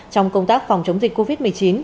trong công tác phòng chống dịch covid một mươi chín